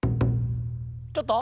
ちょっと？